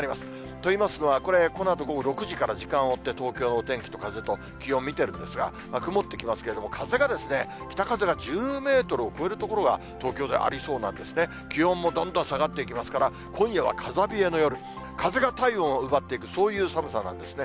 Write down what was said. といいますのは、これ、このあと午後６時から時間を追って東京のお天気と風と気温を見てるんですが、曇ってきますけれども、風が、北風が１０メートルを超える所が、東京ではありそうなんですね。気温もどんどん下がっていきますから、今夜は風冷えの夜、風が体温を奪っていく、そういう寒さなんですね。